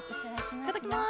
いただきます。